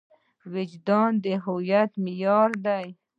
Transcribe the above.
وجدان د هویت معیار دی.